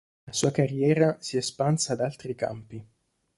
La sua carriera si è espansa ad altri campi.